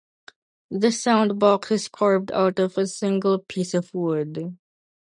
The soundbox is carved out of a single piece of wood.